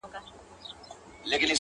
هینداره ماته که چي ځان نه وینم تا ووینم٫